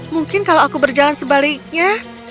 mungkin kalau aku berjalan sebaliknya